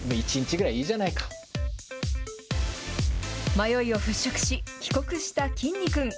迷いを払拭し、帰国したきんに君。